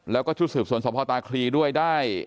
แล้วก็ชุดสืบสวนสพตาคลีด้วยได้